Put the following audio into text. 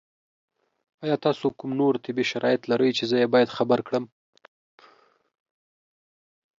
ایا تاسو کوم نور طبي شرایط لرئ چې زه یې باید خبر کړم؟